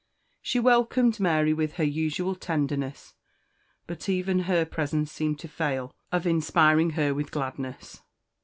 She welcomed Mary with her usual tenderness, but even her presence seemed to fail of inspiring her with gladness.